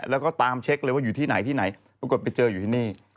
แล้วก็ตามเช็คเลยว่าอยู่ที่ไหนที่ไหนปรากฏไปเจออยู่ที่นี่